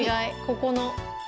ここの。